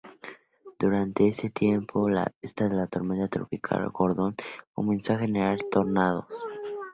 Durante este tiempo, la tormenta tropical Gordon comenzó a generar tornados.